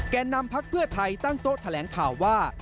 นำพักเพื่อไทยตั้งโต๊ะแถลงข่าวว่า